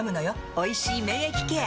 「おいしい免疫ケア」！